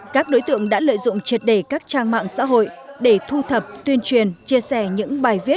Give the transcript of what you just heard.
các đối tượng đã lợi dụng triệt đề các trang mạng xã hội để thu thập tuyên truyền chia sẻ những bài viết